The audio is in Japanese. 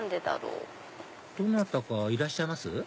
どなたかいらっしゃいます？